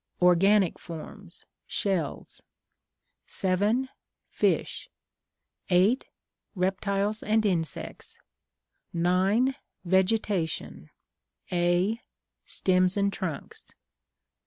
(Organic forms.) Shells. 7. Fish. 8. Reptiles and insects. 9. Vegetation (A.) Stems and Trunks.